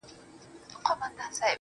و یې ویل: ډېر ستړی یم یاره